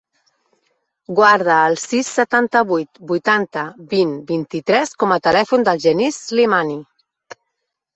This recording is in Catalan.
Guarda el sis, setanta-vuit, vuitanta, vint, vint-i-tres com a telèfon del Genís Slimani.